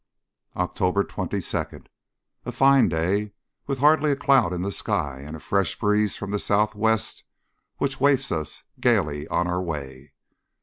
October 22. A fine day, with hardly a cloud in the sky, and a fresh breeze from the sou' west which wafts us gaily on our way.